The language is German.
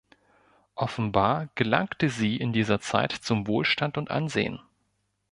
Offenbar gelangte sie in dieser Zeit zu Wohlstand und Ansehen.